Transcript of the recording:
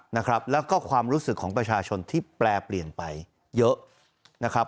นะครับแล้วก็ความรู้สึกของประชาชนที่แปรเปลี่ยนไปเยอะนะครับ